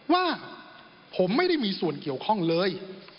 ว่าผมไม่ได้มีส่วนเกี่ยวข้องเลย